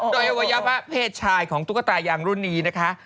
โดยอวัยวะเพศชายของตุ๊กตายางรุ่นนี้นะคะ